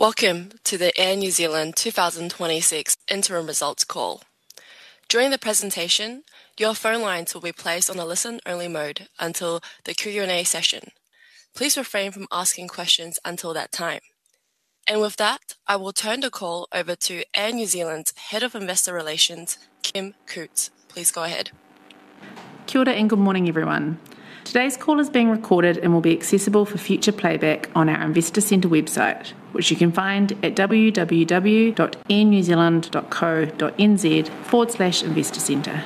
Welcome to the Air New Zealand 2026 interim results call. During the presentation, your phone lines will be placed on a listen-only mode until the Q&A session. Please refrain from asking questions until that time. With that, I will turn the call over to Air New Zealand's Head of Investor Relations, Kim Cootes. Please go ahead. [Kia ora] and good morning, everyone. Today's call is being recorded and will be accessible for future playback on our investor center website, which you can find at www.airnewzealand.co.nz/investorcenter.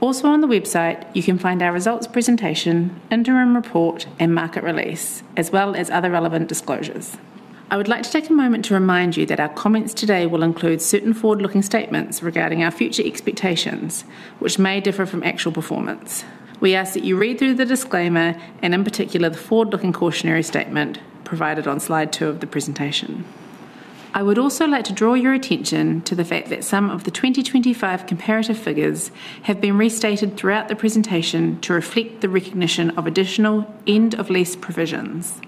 On the website, you can find our results presentation, interim report, and market release, as well as other relevant disclosures. I would like to take a moment to remind you that our comments today will include certain forward-looking statements regarding our future expectations, which may differ from actual performance. We ask that you read through the disclaimer, and in particular, the forward-looking cautionary statement provided on slide two of the presentation. I would also like to draw your attention to the fact that some of the 2025 comparative figures have been restated throughout the presentation to reflect the recognition of additional end-of-lease provisions.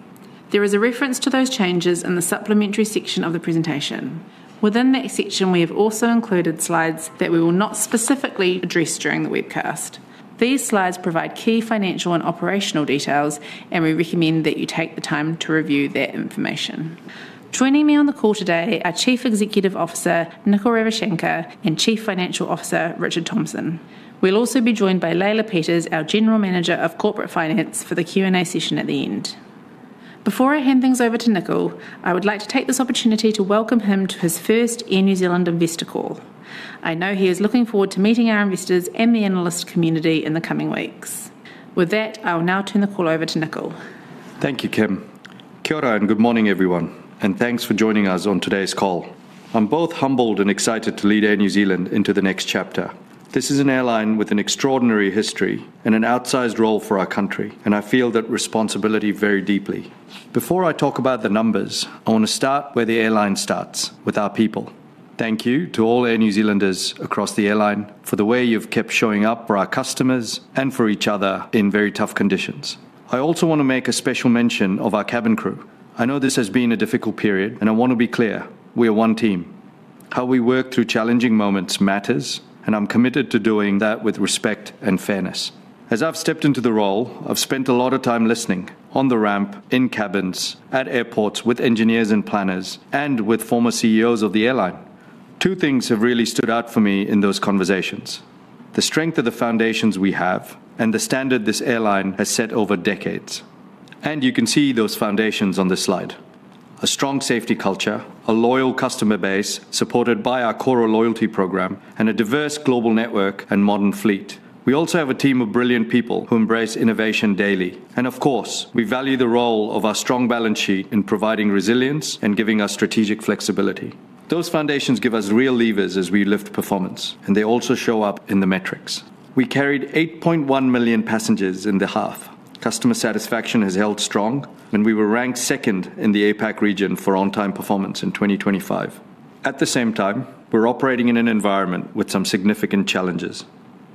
There is a reference to those changes in the supplementary section of the presentation. Within that section, we have also included slides that we will not specifically address during the webcast. These slides provide key financial and operational details. We recommend that you take the time to review that information. Joining me on the call today are Chief Executive Officer, Nikhil Ravishankar, and Chief Financial Officer, Richard Thomson. We'll also be joined by Leila Peters, our General Manager of Corporate Finance, for the Q&A session at the end. Before I hand things over to Nikhil, I would like to take this opportunity to welcome him to his first Air New Zealand investor call. I know he is looking forward to meeting our investors and the analyst community in the coming weeks. I will now turn the call over to Nikhil. Thank you, Kim. [Kia ora], good morning, everyone, thanks for joining us on today's call. I'm both humbled and excited to lead Air New Zealand into the next chapter. This is an airline with an extraordinary history and an outsized role for our country, I feel that responsibility very deeply. Before I talk about the numbers, I want to start where the airline starts, with our people. Thank you to all Air New Zealanders across the airline for the way you've kept showing up for our customers and for each other in very tough conditions. I also want to make a special mention of our cabin crew. I know this has been a difficult period, I want to be clear, we are one team. How we work through challenging moments matters, I'm committed to doing that with respect and fairness. As I've stepped into the role, I've spent a lot of time listening on the ramp, in cabins, at airports, with engineers and planners, and with former CEOs of the airline. Two things have really stood out for me in those conversations: the strength of the foundations we have and the standard this airline has set over decades. You can see those foundations on this slide. A strong safety culture, a loyal customer base supported by our Koru loyalty program, and a diverse global network and modern fleet. We also have a team of brilliant people who embrace innovation daily, and of course, we value the role of our strong balance sheet in providing resilience and giving us strategic flexibility. Those foundations give us real levers as we lift performance, and they also show up in the metrics. We carried 8.1 million passengers in the half. Customer satisfaction has held strong. We were ranked second in the APAC region for on-time performance in 2025. At the same time, we're operating in an environment with some significant challenges.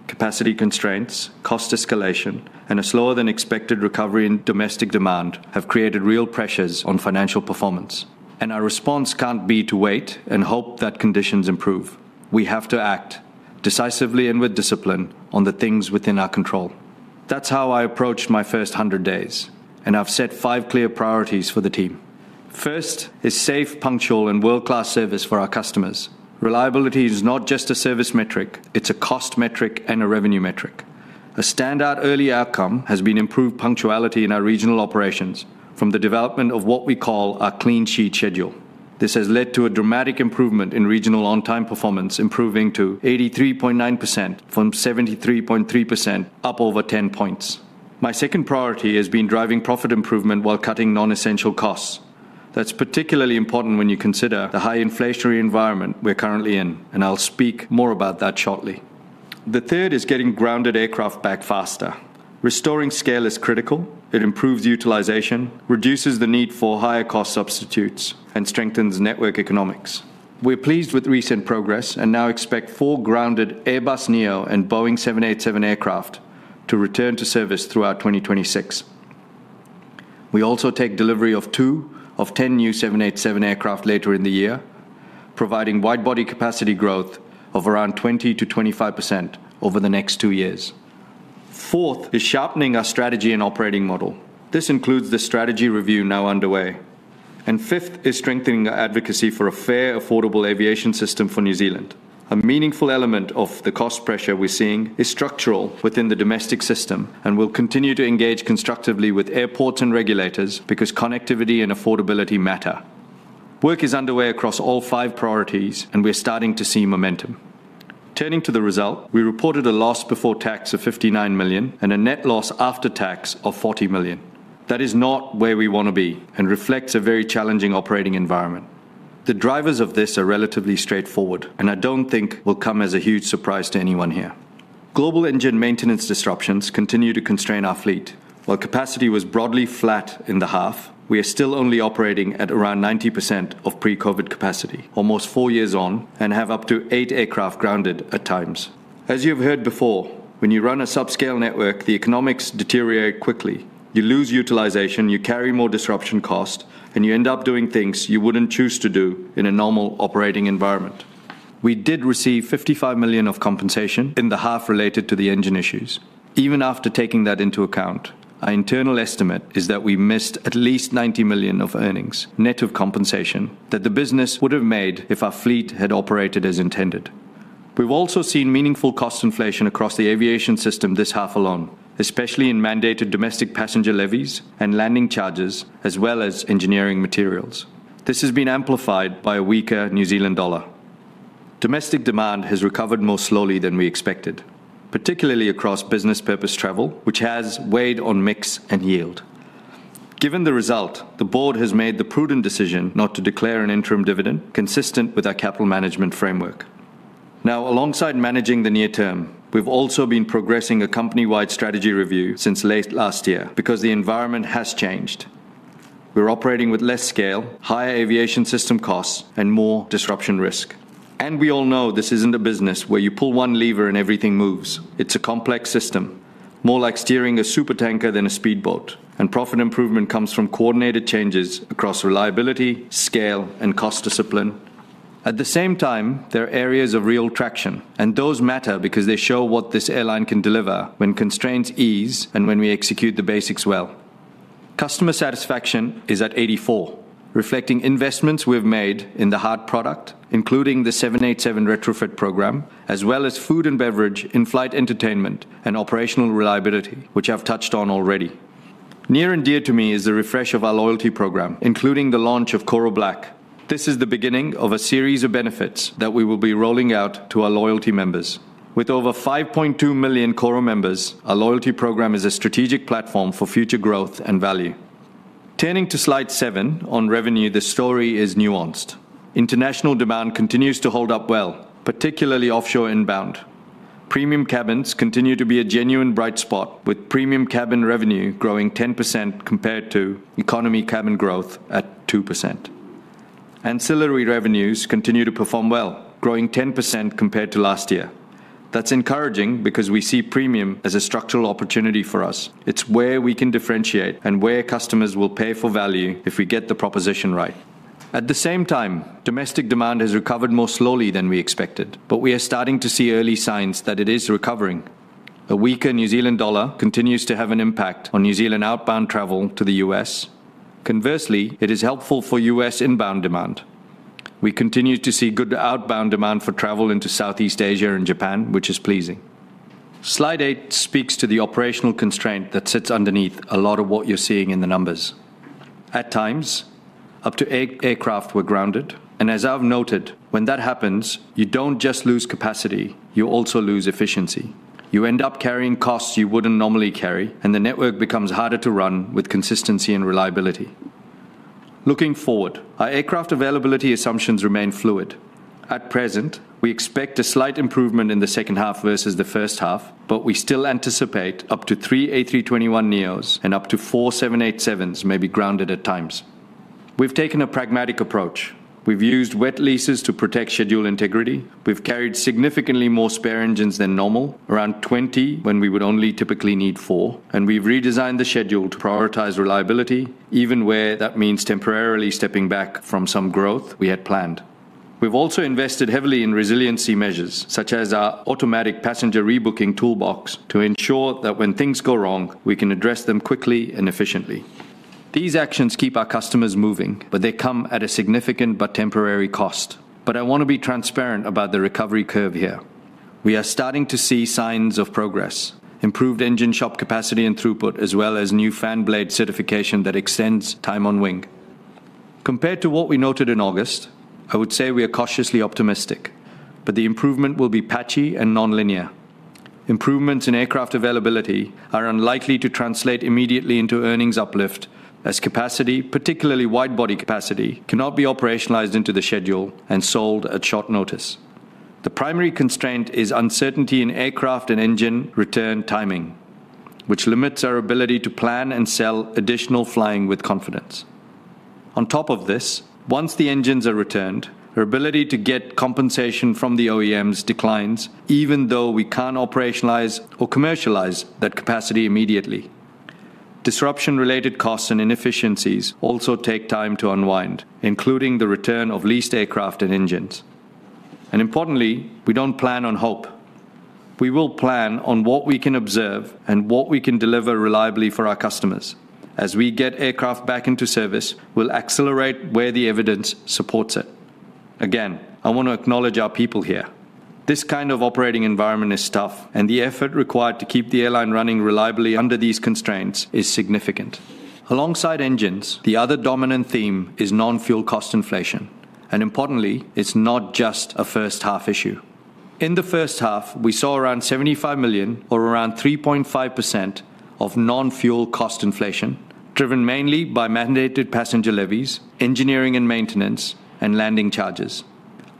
Capacity constraints, cost escalation, and a slower-than-expected recovery in domestic demand have created real pressures on financial performance, and our response can't be to wait and hope that conditions improve. We have to act decisively and with discipline on the things within our control. That's how I approached my first 100 days, and I've set five clear priorities for the team. First is safe, punctual, and world-class service for our customers. Reliability is not just a service metric, it's a cost metric and a revenue metric. A standout early outcome has been improved punctuality in our regional operations from the development of what we call our clean sheet schedule. This has led to a dramatic improvement in regional on-time performance, improving to 83.9% from 73.3%, up over 10 points. My second priority has been driving profit improvement while cutting non-essential costs. That's particularly important when you consider the high inflationary environment we're currently in. I'll speak more about that shortly. The third is getting grounded aircraft back faster. Restoring scale is critical. It improves utilization, reduces the need for higher-cost substitutes, and strengthens network economics. We're pleased with recent progress and now expect four grounded Airbus neo and Boeing 787 aircraft to return to service throughout 2026. We also take delivery of two of 10 new 787 aircraft later in the year, providing wide-body capacity growth of around 20%-25% over the next two years. Fourth is sharpening our strategy and operating model. This includes the strategy review now underway. Fifth is strengthening our advocacy for a fair, affordable aviation system for New Zealand. A meaningful element of the cost pressure we're seeing is structural within the domestic system and will continue to engage constructively with airports and regulators because connectivity and affordability matter. Work is underway across all five priorities, and we're starting to see momentum. Turning to the result, we reported a loss before tax of 59 million and a net loss after tax of 40 million. That is not where we want to be and reflects a very challenging operating environment. The drivers of this are relatively straightforward, and I don't think will come as a huge surprise to anyone here. Global engine maintenance disruptions continue to constrain our fleet. While capacity was broadly flat in the half, we are still only operating at around 90% of pre-COVID capacity, almost four years on, and have up to eight aircraft grounded at times. As you've heard before, when you run a subscale network, the economics deteriorate quickly. You lose utilization, you carry more disruption cost, and you end up doing things you wouldn't choose to do in a normal operating environment. We did receive 55 million of compensation in the half related to the engine issues. Even after taking that into account, our internal estimate is that we missed at least 90 million of earnings, net of compensation, that the business would have made if our fleet had operated as intended. We've also seen meaningful cost inflation across the aviation system this half alone, especially in mandated domestic passenger levies and landing charges, as well as engineering materials. This has been amplified by a weaker New Zealand dollar. Domestic demand has recovered more slowly than we expected, particularly across business purpose travel, which has weighed on mix and yield. Given the result, the board has made the prudent decision not to declare an interim dividend, consistent with our capital management framework. Alongside managing the near term, we've also been progressing a company-wide strategy review since late last year because the environment has changed. We're operating with less scale, higher aviation system costs, and more disruption risk. We all know this isn't a business where you pull one lever and everything moves. It's a complex system, more like steering a supertanker than a speedboat, and profit improvement comes from coordinated changes across reliability, scale, and cost discipline. The same time, there are areas of real traction, and those matter because they show what this airline can deliver when constraints ease and when we execute the basics well. Customer satisfaction is at 84%, reflecting investments we've made in the hard product, including the 787 retrofit program, as well as food and beverage, in-flight entertainment, and operational reliability, which I've touched on already. Near and dear to me is the refresh of our loyalty program, including the launch of Koru Black. This is the beginning of a series of benefits that we will be rolling out to our loyalty members. With over 5.2 million Koru members, our loyalty program is a strategic platform for future growth and value. Turning to slide seven, on revenue, the story is nuanced. International demand continues to hold up well, particularly offshore inbound. Premium cabins continue to be a genuine bright spot, with premium cabin revenue growing 10% compared to economy cabin growth at 2%. Ancillary revenues continue to perform well, growing 10% compared to last year. That's encouraging because we see premium as a structural opportunity for us. It's where we can differentiate and where customers will pay for value if we get the proposition right. At the same time, domestic demand has recovered more slowly than we expected, but we are starting to see early signs that it is recovering. A weaker New Zealand dollar continues to have an impact on New Zealand outbound travel to the U.S. Conversely, it is helpful for U.S. inbound demand. We continue to see good outbound demand for travel into Southeast Asia and Japan, which is pleasing. Slide eight speaks to the operational constraint that sits underneath a lot of what you're seeing in the numbers. At times, up to eight aircraft were grounded, and as I've noted, when that happens, you don't just lose capacity, you also lose efficiency. You end up carrying costs you wouldn't normally carry, and the network becomes harder to run with consistency and reliability. Looking forward, our aircraft availability assumptions remain fluid. At present, we expect a slight improvement in the second half versus the first half, but we still anticipate up to three A321neos and up to 4 787s may be grounded at times. We've taken a pragmatic approach. We've used wet leases to protect schedule integrity. We've carried significantly more spare engines than normal, around 20, when we would only typically need four, and we've redesigned the schedule to prioritize reliability, even where that means temporarily stepping back from some growth we had planned. We've also invested heavily in resiliency measures, such as our automatic passenger rebooking toolbox, to ensure that when things go wrong, we can address them quickly and efficiently. These actions keep our customers moving, but they come at a significant but temporary cost. I want to be transparent about the recovery curve here. We are starting to see signs of progress, improved engine shop capacity and throughput, as well as new fan blade certification that extends time on wing. Compared to what we noted in August, I would say we are cautiously optimistic, but the improvement will be patchy and nonlinear. Improvements in aircraft availability are unlikely to translate immediately into earnings uplift, as capacity, particularly wide-body capacity, cannot be operationalized into the schedule and sold at short notice. The primary constraint is uncertainty in aircraft and engine return timing, which limits our ability to plan and sell additional flying with confidence. On top of this, once the engines are returned, our ability to get compensation from the OEMs declines, even though we can't operationalize or commercialize that capacity immediately. Disruption-related costs and inefficiencies also take time to unwind, including the return of leased aircraft and engines. Importantly, we don't plan on hope. We will plan on what we can observe and what we can deliver reliably for our customers. As we get aircraft back into service, we'll accelerate where the evidence supports it. Again, I want to acknowledge our people here. This kind of operating environment is tough, and the effort required to keep the airline running reliably under these constraints is significant. Alongside engines, the other dominant theme is non-fuel cost inflation, and importantly, it's not just a first-half issue. In the first half, we saw around 75 million or around 3.5% of non-fuel cost inflation, driven mainly by mandated passenger levies, engineering and maintenance, and landing charges.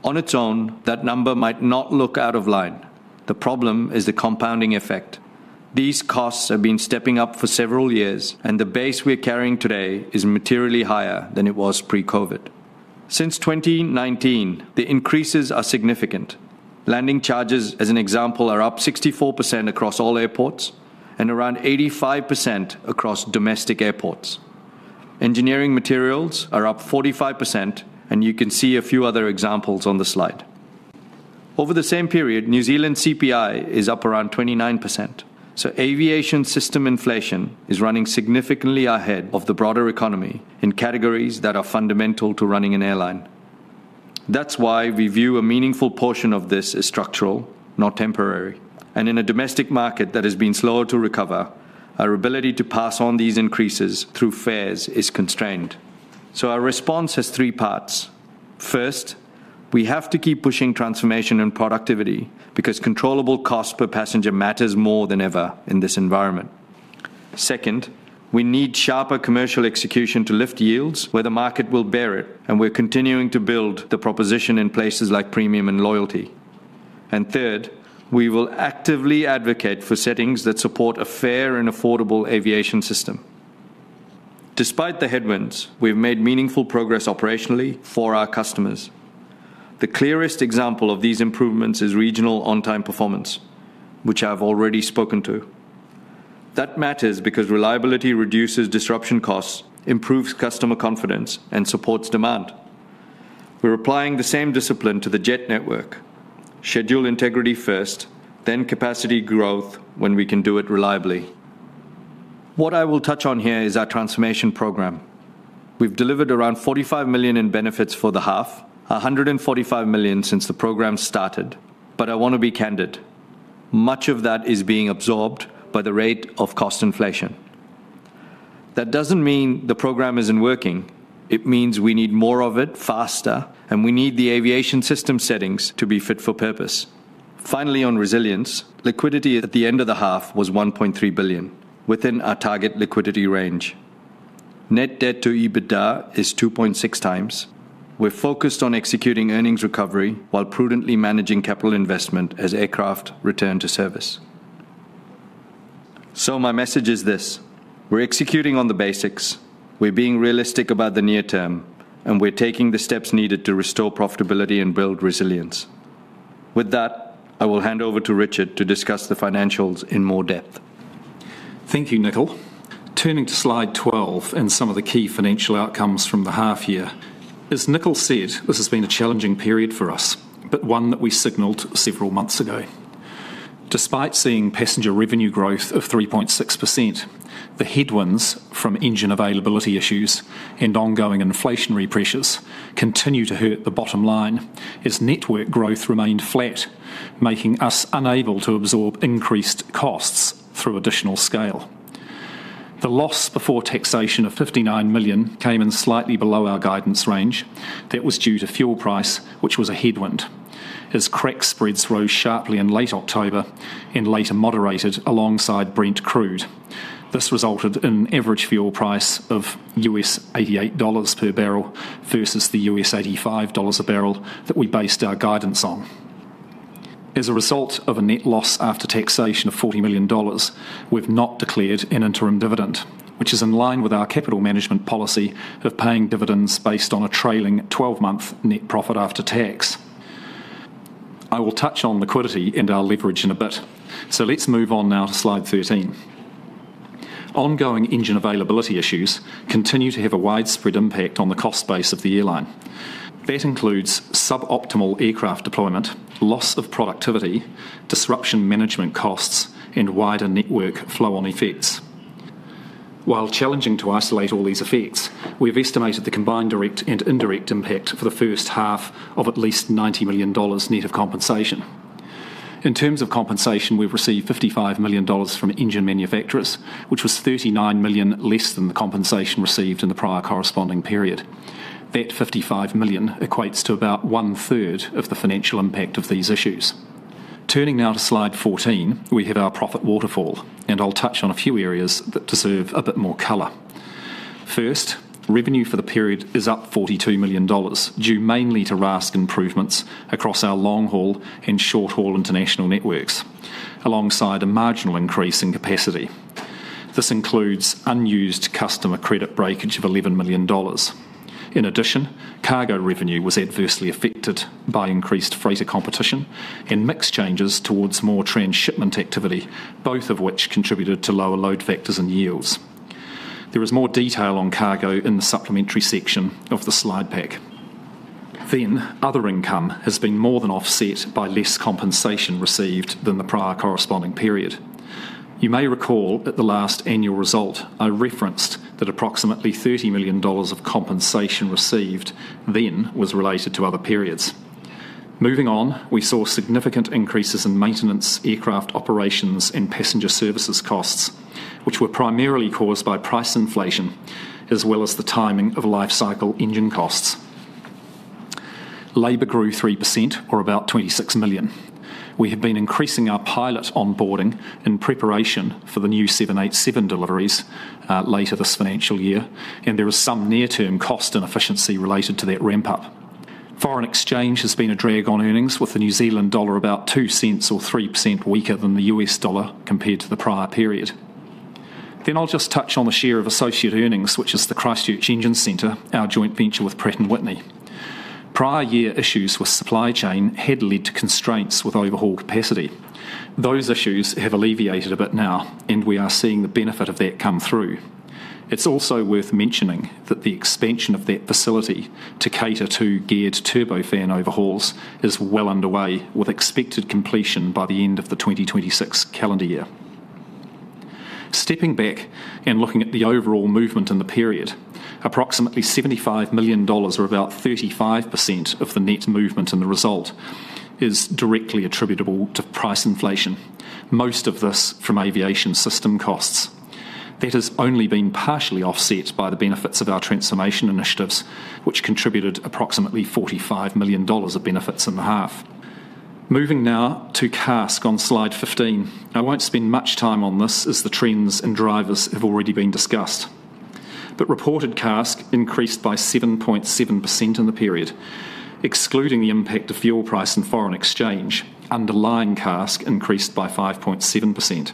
On its own, that number might not look out of line. The problem is the compounding effect. These costs have been stepping up for several years, and the base we're carrying today is materially higher than it was pre-COVID. Since 2019, the increases are significant. Landing charges, as an example, are up 64% across all airports and around 85% across domestic airports. Engineering materials are up 45%, and you can see a few other examples on the slide. Over the same period, New Zealand CPI is up around 29%, so aviation system inflation is running significantly ahead of the broader economy in categories that are fundamental to running an airline. That's why we view a meaningful portion of this as structural, not temporary, and in a domestic market that has been slower to recover, our ability to pass on these increases through fares is constrained. Our response has three parts. First, we have to keep pushing transformation and productivity because controllable cost per passenger matters more than ever in this environment. Second, we need sharper commercial execution to lift yields where the market will bear it, and we're continuing to build the proposition in places like premium and loyalty. Third, we will actively advocate for settings that support a fair and affordable aviation system. Despite the headwinds, we've made meaningful progress operationally for our customers. The clearest example of these improvements is regional on-time performance, which I've already spoken to. That matters because reliability reduces disruption costs, improves customer confidence, and supports demand. We're applying the same discipline to the jet network: schedule integrity first, then capacity growth when we can do it reliably. What I will touch on here is our transformation program. We've delivered around 45 million in benefits for the half, 145 million since the program started. I want to be candid, much of that is being absorbed by the rate of cost inflation. That doesn't mean the program isn't working. It means we need more of it, faster, and we need the aviation system settings to be fit for purpose. On resilience, liquidity at the end of the half was 1.3 billion, within our target liquidity range. Net debt-to-EBITDA is 2.6x. We're focused on executing earnings recovery while prudently managing capital investment as aircraft return to service. My message is this: We're executing on the basics, we're being realistic about the near term, and we're taking the steps needed to restore profitability and build resilience. With that, I will hand over to Richard to discuss the financials in more depth. Thank you, Nikhil. Turning to slide 12 and some of the key financial outcomes from the half year. As Nikhil said, this has been a challenging period for us, but one that we signaled several months ago. Despite seeing passenger revenue growth of 3.6%, the headwinds from engine availability issues and ongoing inflationary pressures continue to hurt the bottom line as network growth remained flat, making us unable to absorb increased costs through additional scale. The loss before taxation of 59 million came in slightly below our guidance range. That was due to fuel price, which was a headwind, as crack spreads rose sharply in late October and later moderated alongside Brent Crude. This resulted in average fuel price of $88 per barrel versus the $85 a barrel that we based our guidance on. As a result of a net loss after taxation of 40 million dollars, we've not declared an interim dividend, which is in line with our capital management policy of paying dividends based on a trailing 12-month net profit after tax. I will touch on liquidity and our leverage in a bit. Let's move on now to slide 13. Ongoing engine availability issues continue to have a widespread impact on the cost base of the airline. That includes suboptimal aircraft deployment, loss of productivity, disruption management costs, and wider network flow-on effects. While challenging to isolate all these effects, we've estimated the combined direct and indirect impact for the first half of at least 90 million dollars net of compensation. In terms of compensation, we've received 55 million dollars from engine manufacturers, which was 39 million less than the compensation received in the prior corresponding period. That 55 million equates to about one-third of the financial impact of these issues. Turning now to slide 14, we have our profit waterfall, and I'll touch on a few areas that deserve a bit more color. First, revenue for the period is up 42 million dollars, due mainly to RASK improvements across our long-haul and short-haul international networks, alongside a marginal increase in capacity. This includes unused customer credit breakage of 11 million dollars. In addition, cargo revenue was adversely affected by increased freighter competition and mix changes towards more transshipment activity, both of which contributed to lower load factors and yields. There is more detail on cargo in the supplementary section of the slide pack. Other income has been more than offset by less compensation received than the prior corresponding period. You may recall at the last annual result, I referenced that approximately 30 million dollars of compensation received then was related to other periods. We saw significant increases in maintenance, aircraft operations, and passenger services costs, which were primarily caused by price inflation, as well as the timing of life cycle engine costs. Labor grew 3% or about 26 million. We have been increasing our pilot onboarding in preparation for the new 787 deliveries later this financial year. There is some near-term cost and efficiency related to that ramp-up. Foreign exchange has been a drag on earnings, with the New Zealand dollar about 0.02 or 3% weaker than the U.S. dollar compared to the prior period. I'll just touch on the share of associate earnings, which is the Christchurch Engine Centre, our joint venture with Pratt & Whitney. Prior year issues with supply chain had led to constraints with overhaul capacity. Those issues have alleviated a bit now, and we are seeing the benefit of that come through. It's also worth mentioning that the expansion of that facility to cater to geared turbofan overhauls is well underway, with expected completion by the end of the 2026 calendar year. Stepping back and looking at the overall movement in the period, approximately 75 million dollars, or about 35% of the net movement in the result, is directly attributable to price inflation, most of this from aviation system costs. That has only been partially offset by the benefits of our transformation initiatives, which contributed approximately 45 million dollars of benefits in the half. Moving now to CASK on slide 15. I won't spend much time on this, as the trends and drivers have already been discussed. Reported CASK increased by 7.7% in the period, excluding the impact of fuel price and foreign exchange. Underlying CASK increased by 5.7%.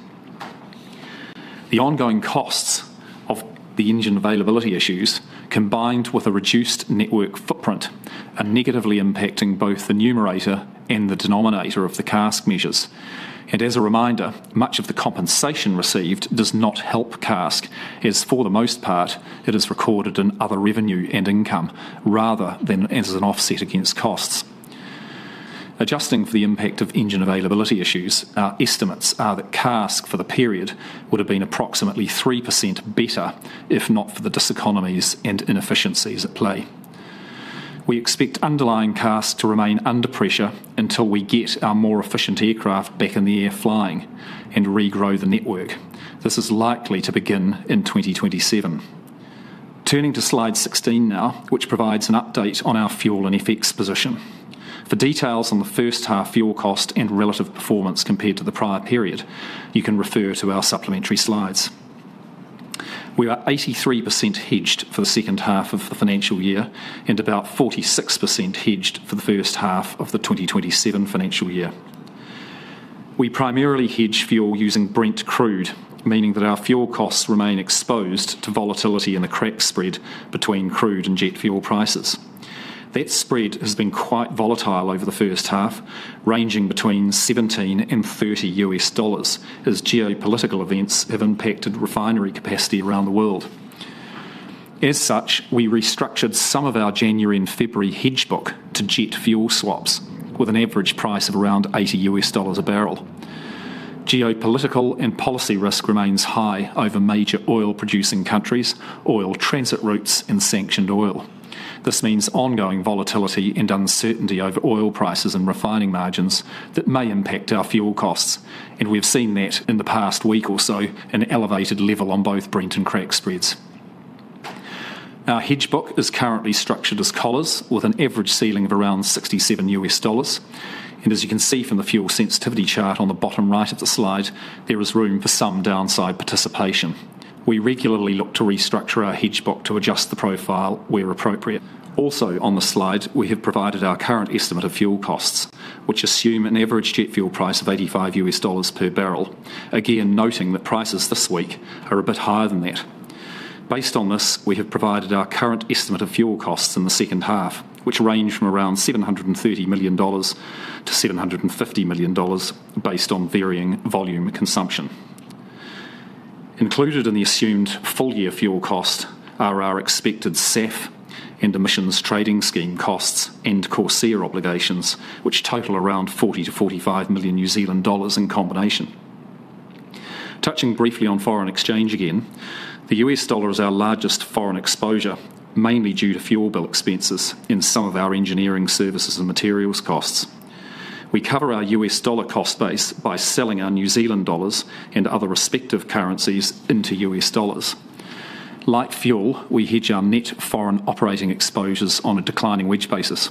The ongoing costs of the engine availability issues, combined with a reduced network footprint, are negatively impacting both the numerator and the denominator of the CASK measures. As a reminder, much of the compensation received does not help CASK, as for the most part, it is recorded in other revenue and income rather than as an offset against costs. Adjusting for the impact of engine availability issues, our estimates are that CASK for the period would have been approximately 3% better, if not for the diseconomies and inefficiencies at play. We expect underlying CASK to remain under pressure until we get our more efficient aircraft back in the air flying and regrow the network. This is likely to begin in 2027. Turning to slide 16 now, which provides an update on our fuel and FX position. For details on the first half fuel cost and relative performance compared to the prior period, you can refer to our supplementary slides. We are 83% hedged for the second half of the financial year and about 46% hedged for the first half of the 2027 financial year. We primarily hedge fuel using Brent Crude, meaning that our fuel costs remain exposed to volatility in the crack spread between crude and jet fuel prices. That spread has been quite volatile over the first half, ranging between $17-$30, as geopolitical events have impacted refinery capacity around the world. As such, we restructured some of our January and February hedge book to jet fuel swaps with an average price of around $80 a barrel. Geopolitical and policy risk remains high over major oil-producing countries, oil transit routes, and sanctioned oil. This means ongoing volatility and uncertainty over oil prices and refining margins that may impact our fuel costs. We have seen that in the past week or so, an elevated level on both Brent and crack spreads. Our hedge book is currently structured as collars, with an average ceiling of around $67. As you can see from the fuel sensitivity chart on the bottom right of the slide, there is room for some downside participation. We regularly look to restructure our hedge book to adjust the profile where appropriate. Also on the slide, we have provided our current estimate of fuel costs, which assume an average jet fuel price of $85 per barrel. Again, noting that prices this week are a bit higher than that. Based on this, we have provided our current estimate of fuel costs in the second half, which range from around $730 million-$750 million, based on varying volume consumption. Included in the assumed full-year fuel cost are our expected SAF and Emissions Trading Scheme costs and CORSIA obligations, which total around 40 million-45 million New Zealand dollars in combination. Touching briefly on foreign exchange again, the U.S. dollar is our largest foreign exposure, mainly due to fuel bill expenses in some of our engineering services and materials costs. We cover our U.S. dollar cost base by selling our New Zealand dollars and other respective currencies into U.S. dollars. Like fuel, we hedge our net foreign operating exposures on a declining wedge basis.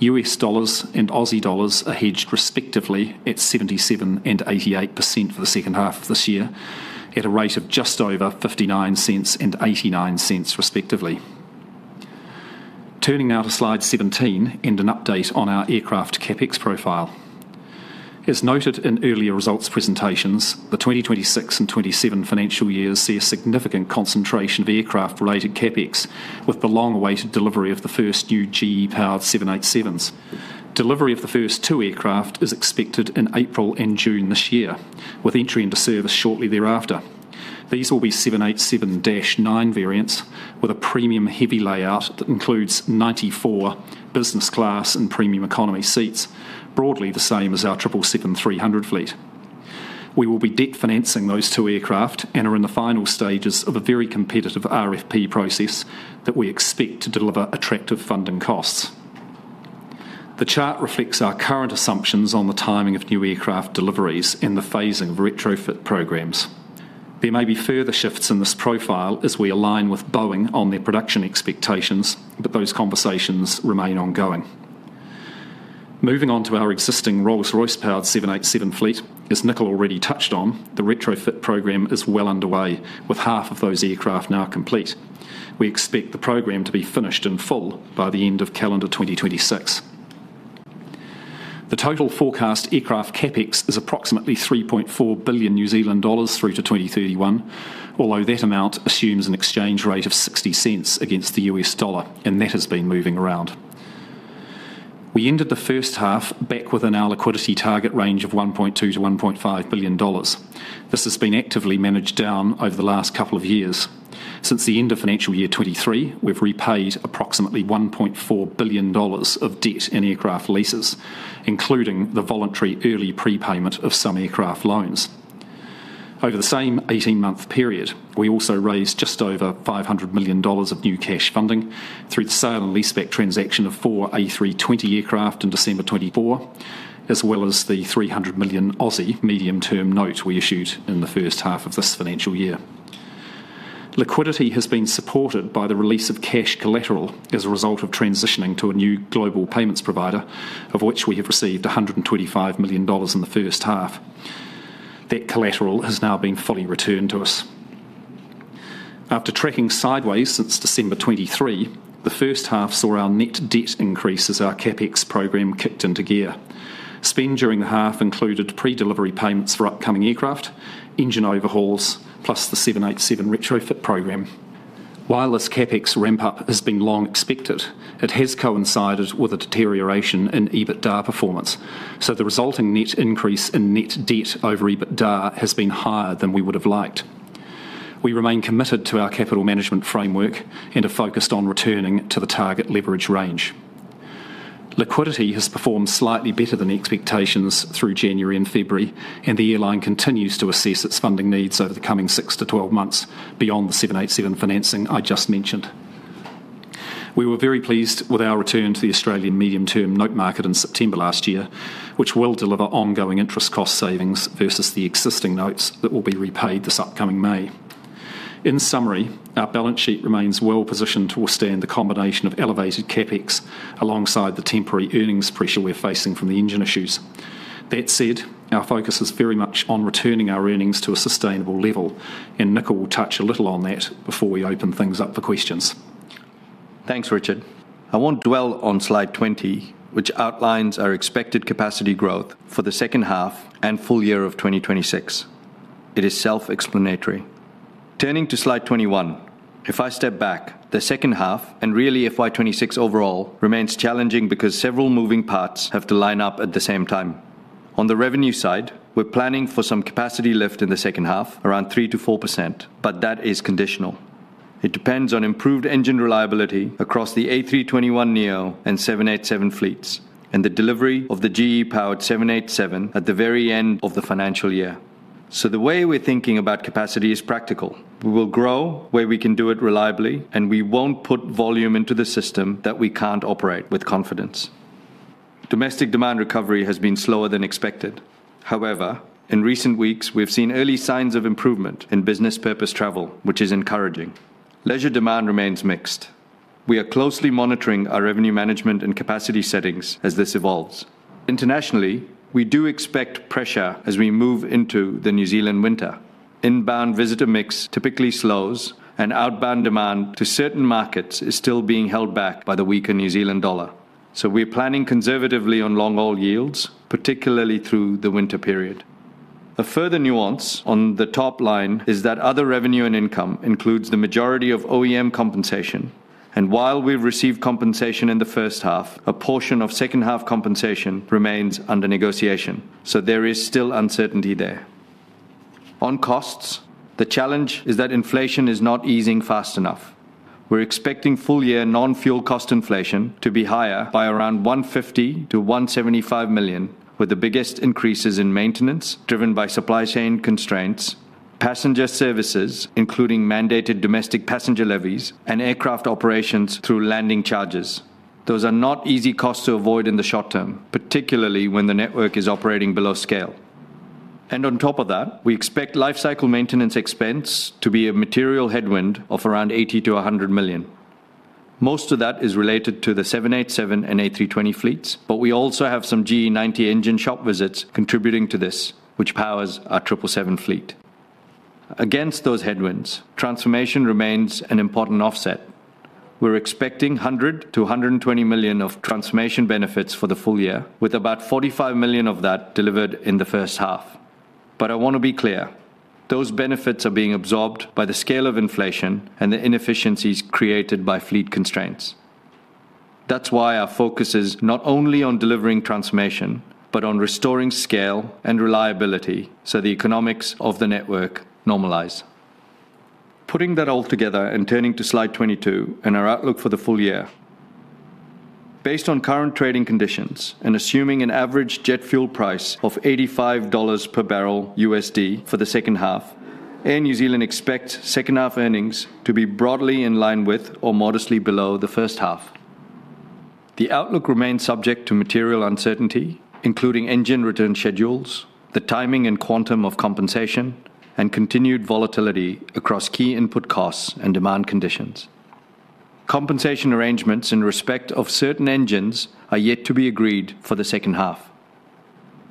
U.S. dollars and Aussie dollars are hedged respectively at 77% and 88% for the second half of this year, at a rate of just over $0.59 and 0.89, respectively. Turning now to slide 17 and an update on our aircraft CapEx profile. As noted in earlier results presentations, the 2026 and 2027 financial years see a significant concentration of aircraft-related CapEx, with the long-awaited delivery of the first new GE-powered 787s. Delivery of the first two aircraft is expected in April and June this year, with entry into service shortly thereafter. These will be 787-9 variants with a premium heavy layout that includes 94 business class and premium economy seats, broadly the same as our 777-300 fleet. We will be debt-financing those two aircraft and are in the final stages of a very competitive RFP process that we expect to deliver attractive funding costs. The chart reflects our current assumptions on the timing of new aircraft deliveries and the phasing of retrofit programs. There may be further shifts in this profile as we align with Boeing on their production expectations. Those conversations remain ongoing. Moving on to our existing Rolls-Royce powered 787 fleet, as Nikhil already touched on, the retrofit program is well underway, with half of those aircraft now complete. We expect the program to be finished in full by the end of calendar 2026. The total forecast aircraft CapEx is approximately 3.4 billion New Zealand dollars through to 2031, although that amount assumes an exchange rate of $0.60 against the U.S. dollar, that has been moving around. We ended the first half back within our liquidity target range of 1.2 billion-1.5 billion dollars. This has been actively managed down over the last couple of years. Since the end of financial year 2023, we've repaid approximately 1.4 billion dollars of debt in aircraft leases, including the voluntary early prepayment of some aircraft loans. Over the same 18-month period, we also raised just over 500 million dollars of new cash funding through the sale and leaseback transaction of four A320 aircraft in December 2024, as well as the 300 million medium-term note we issued in the first half of this financial year. Liquidity has been supported by the release of cash collateral as a result of transitioning to a new global payments provider, of which we have received 125 million dollars in the first half. That collateral has now been fully returned to us. After tracking sideways since December 2023, the first half saw our net debt increase as our CapEx program kicked into gear. Spend during the half included pre-delivery payments for upcoming aircraft, engine overhauls, plus the 787 retrofit program. While this CapEx ramp-up has been long expected, it has coincided with a deterioration in EBITDA performance. The resulting net increase in net debt over EBITDA has been higher than we would have liked. We remain committed to our capital management framework and are focused on returning to the target leverage range. Liquidity has performed slightly better than expectations through January and February, and the airline continues to assess its funding needs over the coming six-12 months beyond the 787 financing I just mentioned. We were very pleased with our return to the Australian medium-term note market in September last year, which will deliver ongoing interest cost savings versus the existing notes that will be repaid this upcoming May. In summary, our balance sheet remains well positioned to withstand the combination of elevated CapEx alongside the temporary earnings pressure we're facing from the engine issues. That said, our focus is very much on returning our earnings to a sustainable level. Nikhil will touch a little on that before we open things up for questions. Thanks, Richard. I won't dwell on slide 20, which outlines our expected capacity growth for the second half and full year of 2026. It is self-explanatory. Turning to slide 21, if I step back, the second half, and really FY 2026 overall, remains challenging because several moving parts have to line up at the same time. On the revenue side, we're planning for some capacity lift in the second half, around 3%-4%, that is conditional. It depends on improved engine reliability across the A321neo and 787 fleets, the delivery of the GE-powered 787 at the very end of the financial year. The way we're thinking about capacity is practical. We will grow where we can do it reliably, we won't put volume into the system that we can't operate with confidence. Domestic demand recovery has been slower than expected. In recent weeks, we've seen early signs of improvement in business purpose travel, which is encouraging. Leisure demand remains mixed. We are closely monitoring our revenue management and capacity settings as this evolves. Internationally, we do expect pressure as we move into the New Zealand winter. Inbound visitor mix typically slows, and outbound demand to certain markets is still being held back by the weaker New Zealand dollar. We're planning conservatively on long-haul yields, particularly through the winter period. A further nuance on the top line is that other revenue and income includes the majority of OEM compensation, and while we've received compensation in the first half, a portion of second-half compensation remains under negotiation, so there is still uncertainty there. On costs, the challenge is that inflation is not easing fast enough. We're expecting full-year non-fuel cost inflation to be higher by around 150 million-175 million, with the biggest increases in maintenance, driven by supply chain constraints, passenger services, including mandated domestic passenger levies and aircraft operations through landing charges. Those are not easy costs to avoid in the short term, particularly when the network is operating below scale. On top of that, we expect life cycle maintenance expense to be a material headwind of around 80 million-100 million. Most of that is related to the 787 and A320 fleets, but we also have some GE90 engine shop visits contributing to this, which powers our 777 fleet. Against those headwinds, transformation remains an important offset. We're expecting 100 million-120 million of transformation benefits for the full year, with about 45 million of that delivered in the first half. I want to be clear, those benefits are being absorbed by the scale of inflation and the inefficiencies created by fleet constraints. That's why our focus is not only on delivering transformation, but on restoring scale and reliability, so the economics of the network normalize. Putting that all together and turning to slide 22 and our outlook for the full year. Based on current trading conditions and assuming an average jet fuel price of $85 per barrel U.S.D. for the second half, Air New Zealand expects second-half earnings to be broadly in line with or modestly below the first half. The outlook remains subject to material uncertainty, including engine return schedules, the timing and quantum of compensation, and continued volatility across key input costs and demand conditions. Compensation arrangements in respect of certain engines are yet to be agreed for the second half.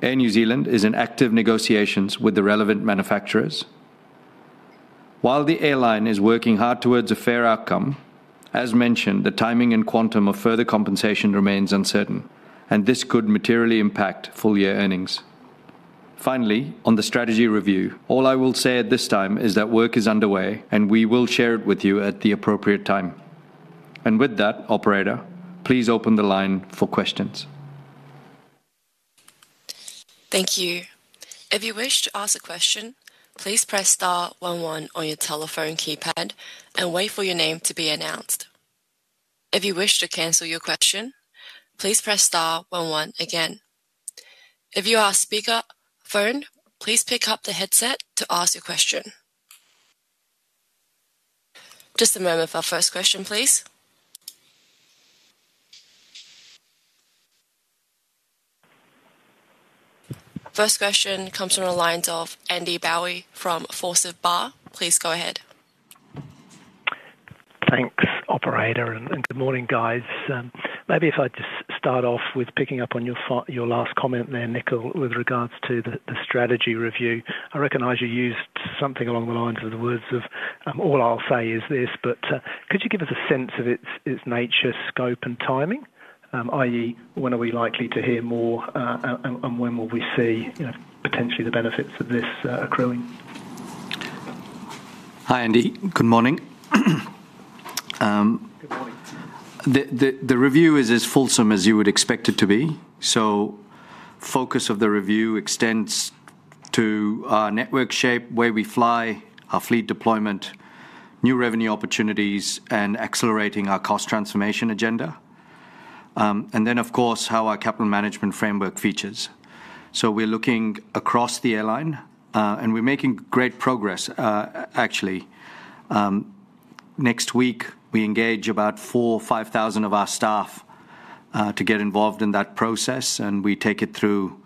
Air New Zealand is in active negotiations with the relevant manufacturers. While the airline is working hard towards a fair outcome, as mentioned, the timing and quantum of further compensation remains uncertain, and this could materially impact full-year earnings. Finally, on the strategy review, all I will say at this time is that work is underway, and we will share it with you at the appropriate time. With that, Operator, please open the line for questions. Thank you. If you wish to ask a question, please press star one one on your telephone keypad and wait for your name to be announced. If you wish to cancel your question, please press star one one again. If you are speakerphone, please pick up the headset to ask your question. Just a moment for our first question, please. First question comes from the lines of Andy Bowley from Forsyth Barr. Please go ahead. Thanks, operator. Good morning, guys. Maybe if I just start off with picking up on your last comment there, Nikhil, with regards to the strategy review. I recognize you used something along the lines of the words of, all I'll say is this, but could you give us a sense of its nature, scope, and timing? i.e., when are we likely to hear more, and when will we see, you know, potentially the benefits of this accruing? Hi, Andy. Good morning. Good morning. The review is as fulsome as you would expect it to be. Focus of the review extends to our network shape, where we fly, our fleet deployment, new revenue opportunities, and accelerating our cost transformation agenda. Of course, how our capital management framework features. We're looking across the airline, and we're making great progress. Actually, next week, we engage about 4,000 or 5,000 of our staff to get involved in that process, and we take it through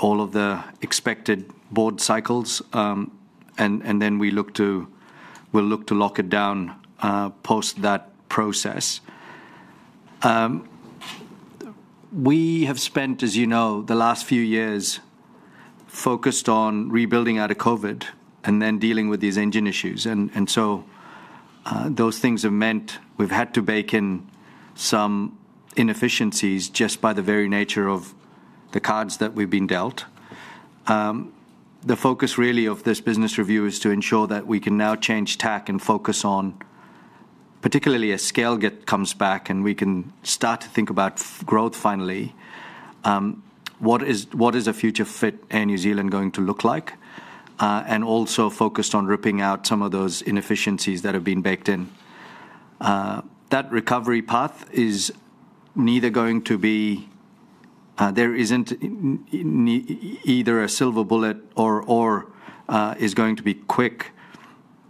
all of the expected board cycles, and then we'll look to lock it down post that process. We have spent, as you know, the last few years focused on rebuilding out of COVID and then dealing with these engine issues. Those things have meant we've had to bake in some inefficiencies just by the very nature of the cards that we've been dealt. The focus, really, of this business review is to ensure that we can now change tack and focus on, particularly as scale comes back, and we can start to think about growth finally. What is a future fit Air New Zealand going to look like? Also focused on ripping out some of those inefficiencies that have been baked in. That recovery path is neither going to be. There isn't either a silver bullet or is going to be quick,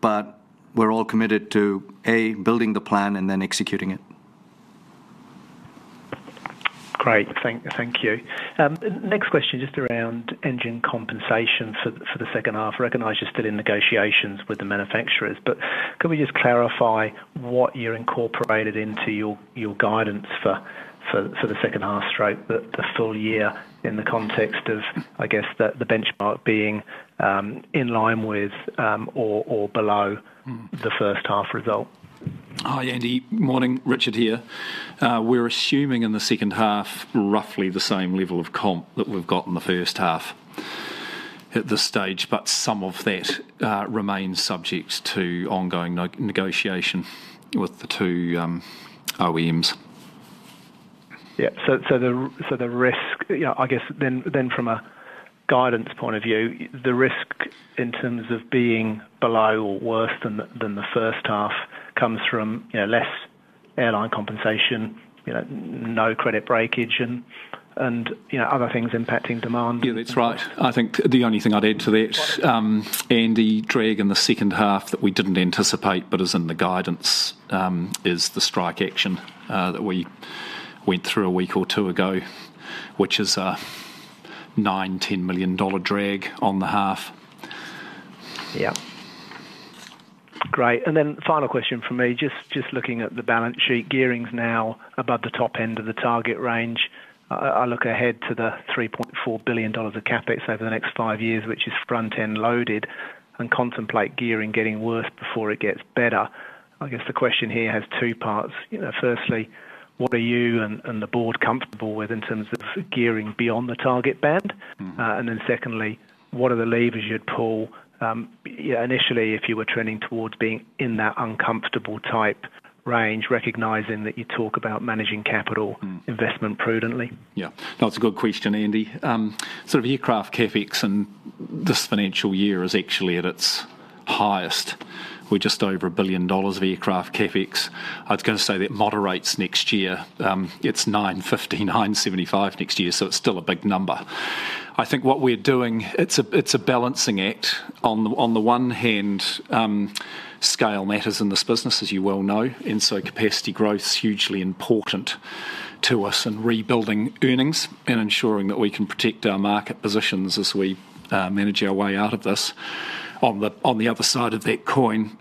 but we're all committed to, A, building the plan and then executing it. Great. Thank you. Next question, just around engine compensation for the second half. I recognize you're still in negotiations with the manufacturers, but could we just clarify what you're incorporated into your guidance for the second half straight the full year in the context of, I guess, the benchmark being in line with or below- Mm-hmm. The first half result? Hi, Andy. Morning. Richard here. We're assuming in the second half, roughly the same level of comp that we've got in the first half at this stage, but some of that remains subject to ongoing negotiation with the two OEMs. So the risk, I guess then from a guidance point of view, the risk in terms of being below or worse than the, than the first half comes from, you know, less airline compensation, you know, no credit breakage and, you know, other things impacting demand. That's right. I think the only thing I'd add to that, Andy, drag in the second half that we didn't anticipate, but is in the guidance, is the strike action that we went through a week or two ago, which is a 9 million-10 million dollar drag on the half. Yeah. Great. Final question for me, just looking at the balance sheet, gearing's now above the top end of the target range. I look ahead to 3.4 billion dollars of CapEx over the next five years, which is front-end loaded, and contemplate gearing getting worse before it gets better. I guess the question here has two parts. You know, firstly, what are you and the board comfortable with in terms of gearing beyond the target band? Mm-hmm. Secondly, what are the levers you'd pull, initially, if you were trending towards being in that uncomfortable type range, recognizing that you talk about managing capital. Mm. Investment prudently? That's a good question, Andy. The aircraft CapEx in this financial year is actually at its highest. We're just over 1 billion dollars of aircraft CapEx. I was gonna say that moderates next year. It's 950 million, 975 million next year, so it's still a big number. I think what we're doing, it's a balancing act. On the one hand, scale matters in this business, as you well know, and capacity growth is hugely important to us in rebuilding earnings and ensuring that we can protect our market positions as we manage our way out of this. On the other side of that coin,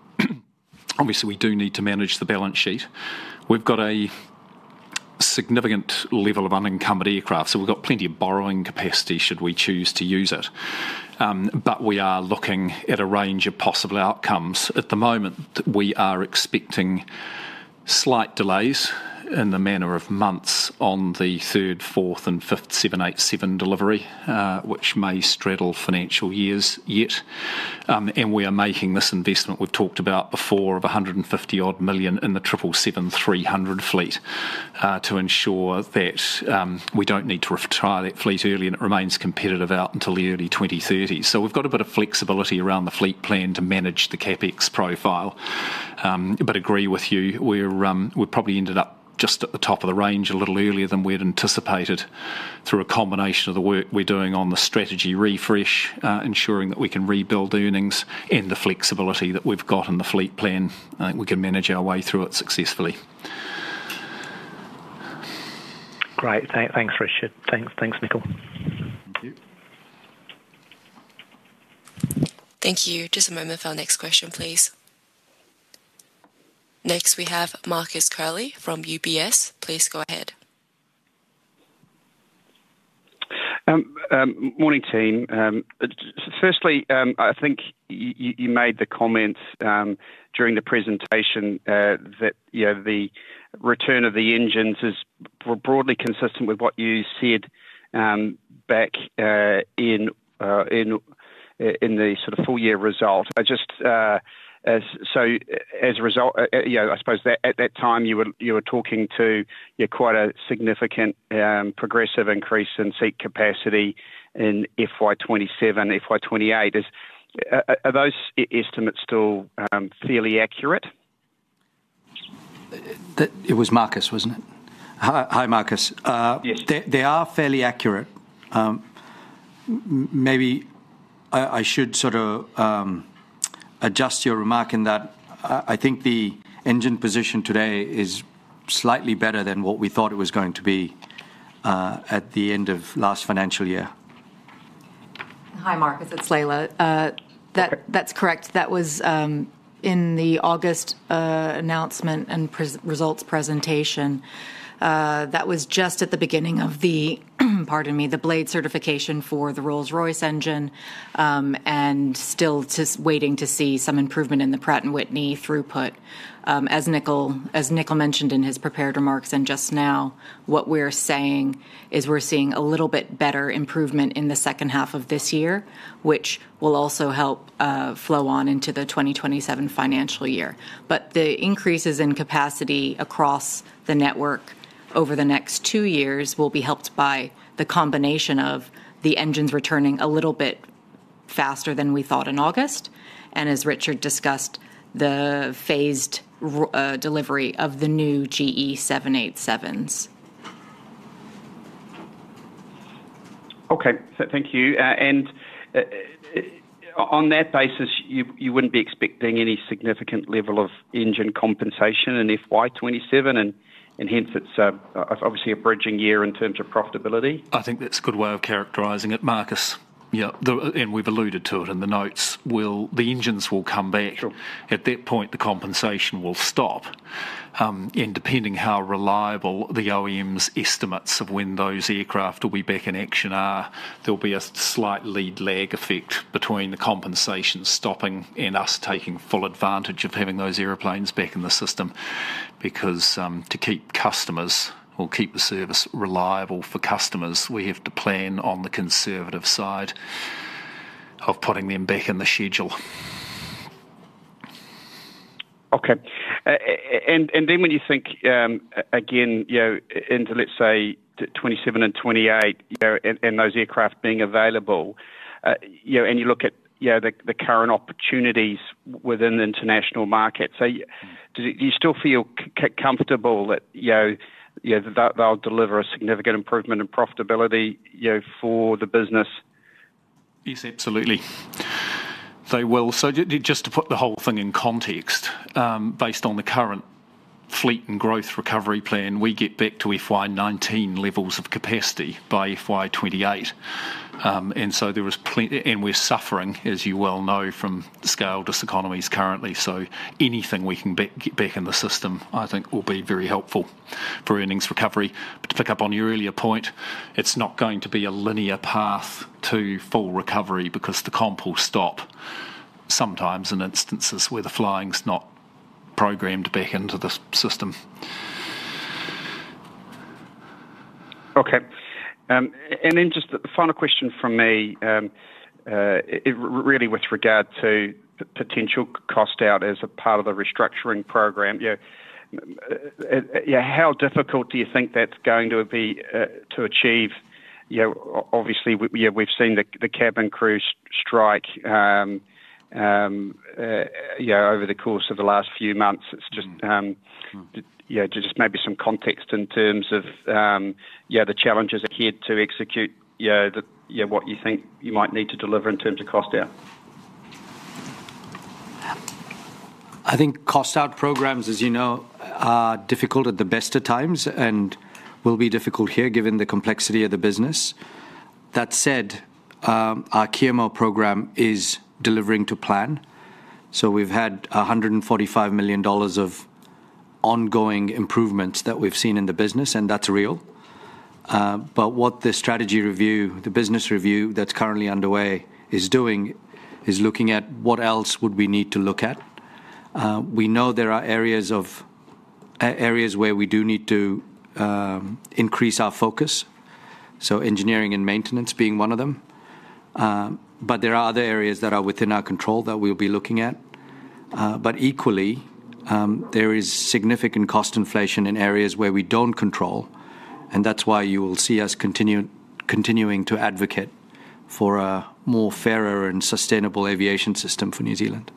obviously, we do need to manage the balance sheet. We've got a significant level of unencumbered aircraft, so we've got plenty of borrowing capacity should we choose to use it. We are looking at a range of possible outcomes. At the moment, we are expecting slight delays in the manner of months on the third, fourth, and fifth 787 delivery, which may straddle financial years yet. We are making this investment we've talked about before of 150 odd million in the 777-300 fleet, to ensure that we don't need to retire that fleet early and it remains competitive out until the early 2030s. We've got a bit of flexibility around the fleet plan to manage the CapEx profile. Agree with you, we've probably ended up just at the top of the range a little earlier than we had anticipated, through a combination of the work we're doing on the strategy refresh, ensuring that we can rebuild earnings and the flexibility that we've got in the fleet plan. I think we can manage our way through it successfully. Great. Thanks, Richard. Thanks, Nikhil. Thank you. Thank you. Just a moment for our next question, please. Next, we have Marcus Curley from UBS. Please go ahead. Morning, team. Firstly, I think you made the comment during the presentation that, you know, the return of the engines is broadly consistent with what you said back in the sort of full year result. I just so as a result, you know, I suppose at that time, you were talking to, yeah, quite a significant progressive increase in seat capacity in FY 2027, FY 2028. Are those estimates still fairly accurate? It was Marcus, wasn't it? Hi, Marcus. Yes. They are fairly accurate. Maybe I should sort of adjust your remark in that I think the engine position today is slightly better than what we thought it was going to be at the end of last financial year. Hi, Marcus, it's Leila. That's correct. That was in the August announcement and results presentation. That was just at the beginning of the, pardon me, the blade certification for the Rolls-Royce engine and still just waiting to see some improvement in the Pratt & Whitney throughput. As Nikhil mentioned in his prepared remarks and just now, what we're saying is we're seeing a little bit better improvement in the second half of this year, which will also help flow on into the 2027 financial year. The increases in capacity across the network over the next two years will be helped by the combination of the engines returning a little bit faster than we thought in August, and as Richard discussed, the phased delivery of the new GE 787s. Okay. Thank you. On that basis, you wouldn't be expecting any significant level of engine compensation in FY 2027, and hence it's obviously a bridging year in terms of profitability? I think that's a good way of characterizing it, Marcus. Yeah, we've alluded to it in the notes, the engines will come back. Sure. At that point, the compensation will stop. Depending how reliable the OEM's estimates of when those aircraft will be back in action are, there'll be a slight lead lag effect between the compensation stopping and us taking full advantage of having those airplanes back in the system. To keep customers or keep the service reliable for customers, we have to plan on the conservative side of putting them back in the schedule. Okay. Then when you think, again, you know, into, let's say, 2027 and 2028, you know, and those aircraft being available, you know, and you look at, you know, the current opportunities within the international market, do you still feel comfortable that, you know, that they'll deliver a significant improvement in profitability, you know, for the business? Yes, absolutely. They will. Just to put the whole thing in context, based on the current fleet and growth recovery plan, we get back to FY 2019 levels of capacity by FY 2028. There is plenty and we're suffering, as you well know, from scale diseconomies currently, so anything we can get back in the system, I think will be very helpful for earnings recovery. To pick up on your earlier point, it's not going to be a linear path to full recovery because the comp will stop sometimes in instances where the flying's not programmed back into the system. Okay. Just the final question from me, really with regard to the potential cost out as a part of the restructuring program. You know, how difficult do you think that's going to be to achieve? You know, obviously, we've seen the cabin crew strike, you know, over the course of the last few months. Mm-hmm. It's just, you know, just maybe some context in terms of, yeah, the challenges adhered to execute, you know, the, you know, what you think you might need to deliver in terms of cost out. I think cost out programs, as you know, are difficult at the best of times and will be difficult here, given the complexity of the business. Our KMO program is delivering to plan. We've had 145 million dollars of ongoing improvements that we've seen in the business, and that's real. What the strategy review, the business review that's currently underway is doing, is looking at what else would we need to look at. We know there are areas where we do need to increase our focus, so engineering and maintenance being one of them. There are other areas that are within our control that we'll be looking at. Equally, there is significant cost inflation in areas where we don't control, and that's why you will see us continuing to advocate for a more fairer and sustainable aviation system for New Zealand.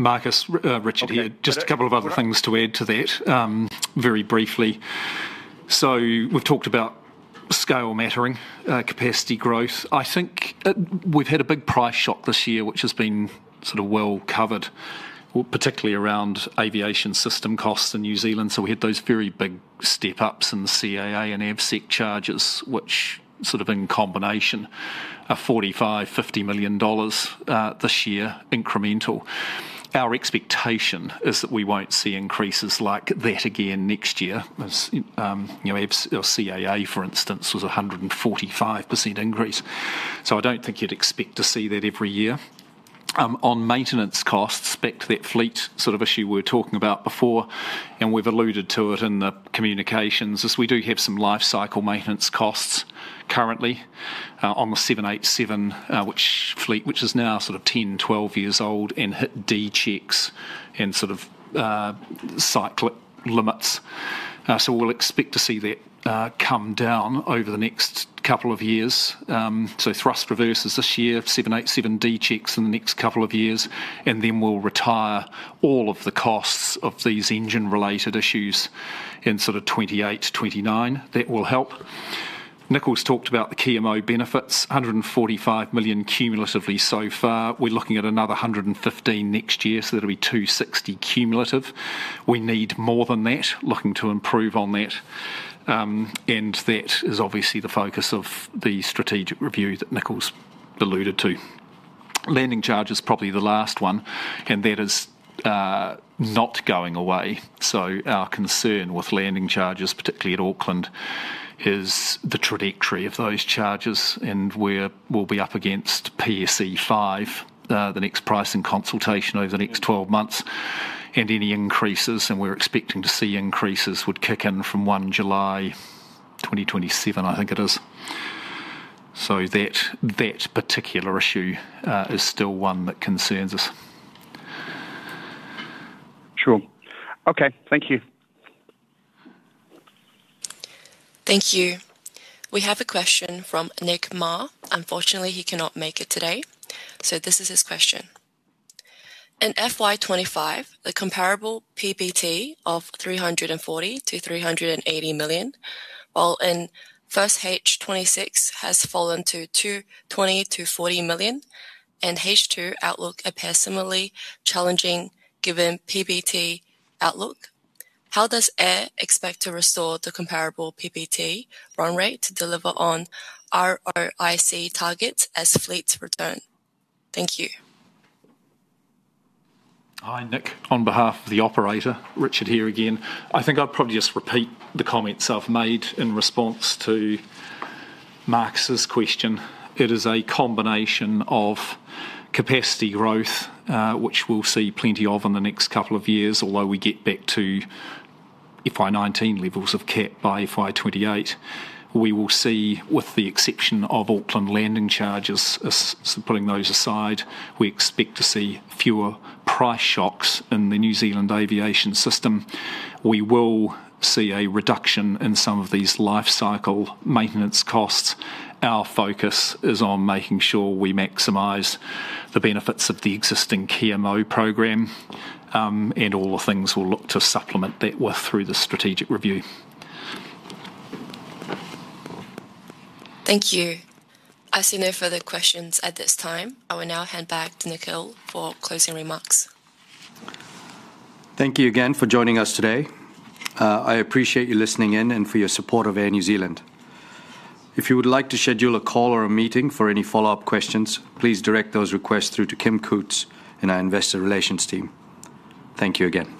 Marcus, Richard here. Okay. Just a couple of other things to add to that, very briefly. We've talked about scale mattering, capacity growth. I think, we've had a big price shock this year, which has been sort of well-covered, particularly around aviation system costs in New Zealand, so we had those very big step-ups in the CAA and AVSEC charges, which sort of in combination are 45 million-50 million dollars this year, incremental. Our expectation is that we won't see increases like that again next year. As, you know, or CAA, for instance, was a 145% increase, I don't think you'd expect to see that every year. On maintenance costs, back to that fleet issue we were talking about before, and we've alluded to it in the communications, is we do have some life cycle maintenance costs currently on the 787, which fleet, which is now 10, 12 years old and hit D checks and cyclic limits. We'll expect to see that come down over the next couple of years. Thrust reversers this year, 787 D checks in the next couple of years, and then we'll retire all of the costs of these engine-related issues in 2028 to 2029. That will help. Nikhil's talked about the KMO benefits, 145 million cumulatively so far. We're looking at another 115 million next year, so that'll be 260 million cumulative. We need more than that, looking to improve on that. That is obviously the focus of the strategic review that Nikhil's alluded to. Landing charge is probably the last one, and that is not going away. Our concern with landing charges, particularly at Auckland, is the trajectory of those charges and where we'll be up against PSE5, the next pricing consultation over the next 12 months. Any increases, and we're expecting to see increases, would kick in from 1 July 2027, I think it is. That, that particular issue, is still one that concerns us. Sure. Okay, thank you. Thank you. We have a question from Nick Mar. Unfortunately, he cannot make it today, so this is his question: "In FY 2025, the comparable PBT of 340 million-380 million, while in 1H 2026 has fallen to 20 million-40 million and H2 outlook appears similarly challenging, given PBT outlook. How does Air expect to restore the comparable PBT run rate to deliver on ROIC targets as fleets return?" Thank you. Hi, Nick. On behalf of the Operator, Richard here again. I think I'll probably just repeat the comments I've made in response to Marcus' question. It is a combination of capacity growth, which we'll see plenty of in the next couple of years, although we get back to FY 2019 levels of cap by FY 2028. We will see, with the exception of Auckland landing charges, as putting those aside, we expect to see fewer price shocks in the New Zealand aviation system. We will see a reduction in some of these life cycle maintenance costs. Our focus is on making sure we maximize the benefits of the existing KMO program, and all the things we'll look to supplement that with through the strategic review. Thank you. I see no further questions at this time. I will now hand back to Nikhil for closing remarks. Thank you again for joining us today. I appreciate you listening in and for your support of Air New Zealand. If you would like to schedule a call or a meeting for any follow-up questions, please direct those requests through to Kim Cootes in our Investor Relations team. Thank you again.